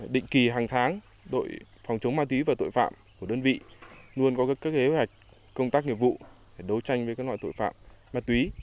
định kỳ hàng tháng đội phòng chống ma túy và tội phạm của đơn vị luôn có các kế hoạch công tác nghiệp vụ để đấu tranh với các loại tội phạm ma túy